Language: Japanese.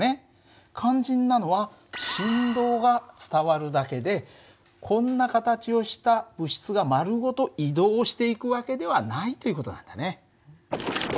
肝心なのは振動が伝わるだけでこんな形をした物質が丸ごと移動をしていくわけではないという事なんだね。